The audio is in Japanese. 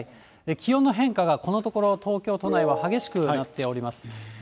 気温の変化が、このところ、東京都内は激しくなっております。